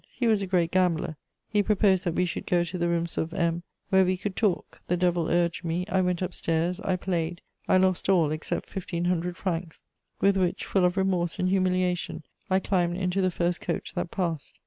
He was a great gambler; he proposed that we should go to the rooms of M , where we could talk; the devil urged me: I went upstairs, I played, I lost all, except fifteen hundred francs, with which, full of remorse and humiliation, I climbed into the first coach that passed.